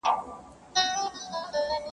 دا یو وصیت لرمه قبلوې یې او که نه -